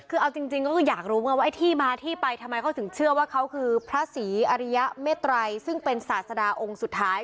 คือเอาจริงก็คืออยากรู้ไงว่าไอ้ที่มาที่ไปทำไมเขาถึงเชื่อว่าเขาคือพระศรีอริยเมตรัยซึ่งเป็นศาสดาองค์สุดท้าย